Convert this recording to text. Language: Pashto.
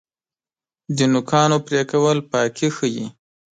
د نوکانو پرې کول پاکي ښیي.